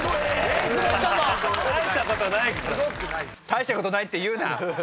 「大したことない」って言うな！